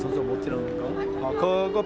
kecuali itu tidak ada masalah